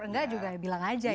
enggak juga bilang aja ya